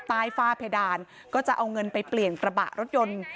ฝ้าเพดานก็จะเอาเงินไปเปลี่ยนกระบะรถยนต์